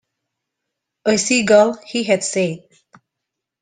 A seagull, he had said.